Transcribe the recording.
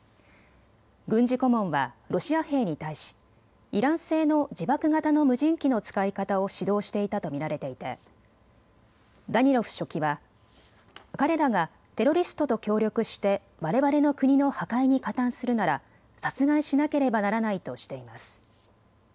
軍事顧問はロシア兵に対しイラン製の自爆型の無人機の使い方を指導していたと見られていてダニロフ書記は彼らがテロリストと協力してわれわれの国の破壊に加担するなら殺害しなければならないとしています。